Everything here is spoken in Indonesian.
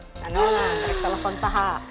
tidak nona tidak telepon sah